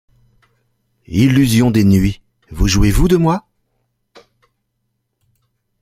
Illusions des nuits, vous jouez-vous de moi?